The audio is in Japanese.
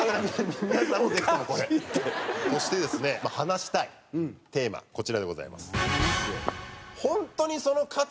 そしてですね話したいテーマこちらでございます。